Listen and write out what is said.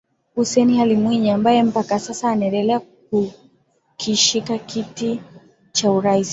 Hussein Ali Mwinyi ambaye mpaka sasa anaendelea kukishika kiti cha urais